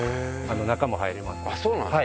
中も入れます。